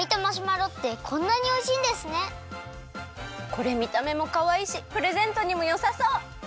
これみためもかわいいしプレゼントにもよさそう！